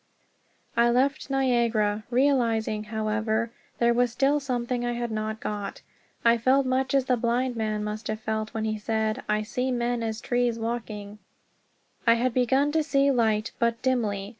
I left Niagara, realizing, however, there was still something I had not got. I felt much as the blind man must have felt when he said, "I see men as trees, walking" (A. V.). I had begun to see light, but dimly.